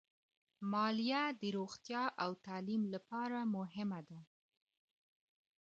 مالیه د روغتیا او تعلیم لپاره مهمه ده.